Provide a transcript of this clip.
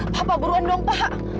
papa buruan dong pak